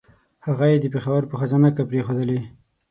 هغه یې د پېښور په خزانه کې پرېښودلې.